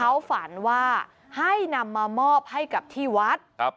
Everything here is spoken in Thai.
เขาฝันว่าให้นำมามอบให้กับที่วัด